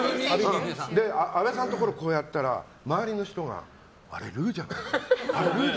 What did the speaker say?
阿部さんのとこにこうやったら周りの人があれ、ルーじゃないの？って。